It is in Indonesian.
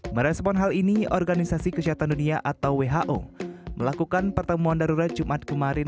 merespon hal ini organisasi kesehatan dunia atau who melakukan pertemuan darurat jumat kemarin